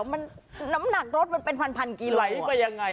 มันน้ำหนักรถมันเป็นพันกิโลไหลไปยังไง